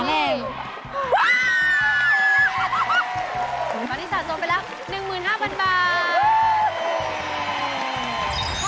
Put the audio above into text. ตอนนี้สามารถส่งไปแล้ว๑๕๐๐๐บาท